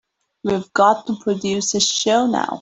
We've got to produce a show now.